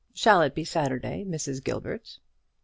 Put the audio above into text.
Shall it be Saturday, Mrs. Gilbert?"